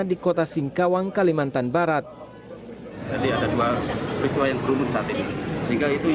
di kota singkawang kalimantan barat jadi ada dua peristiwa yang beruntun saat ini sehingga itu